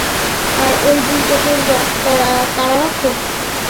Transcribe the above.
আর ঐ বুড়িটা তোর কারারক্ষক।